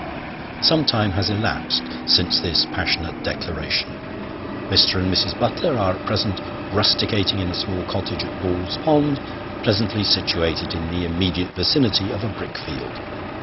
Some time has elapsed since this passionate declaration. Mr. and Mrs. Butler are at present rusticating in a small cottage at Ball's Pond, pleasantly situated in the immediate vicinity of a brick field.